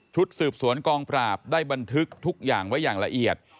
สืบสวนกองปราบได้บันทึกทุกอย่างไว้อย่างละเอียด